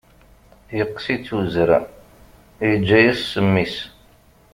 Yeqqes-itt uzrem, yeǧǧa-yas ssem-is.